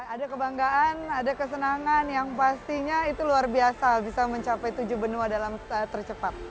ada kebanggaan ada kesenangan yang pastinya itu luar biasa bisa mencapai tujuh benua dalam tercepat